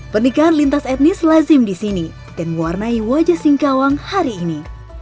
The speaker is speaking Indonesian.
pernikahan lintas etnis lazim di sini dan mewarnai wajah singkawang hari ini